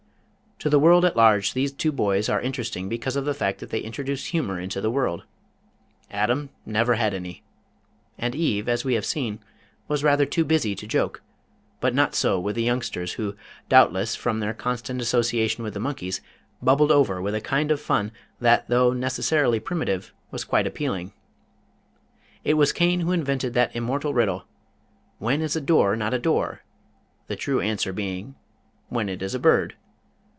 To the world at large these two boys are interesting because of the fact that they introduced humor into the world. Adam never had any, and Eve, as we have seen, was rather too busy to joke, but not so with the youngsters, who, doubtless from their constant association with the monkeys bubbled over with a kind of fun that though necessarily primitive, was quite appealing. It was Cain who invented that immortal riddle, "When is a door not a door?" the true answer being, "when it is a bird."